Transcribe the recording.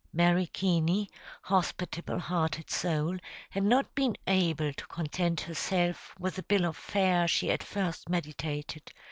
Mary Keaney, hospitable hearted soul, had not been able to content herself with the bill of fare she at first meditated.